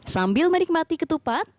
sambil menikmati ketupat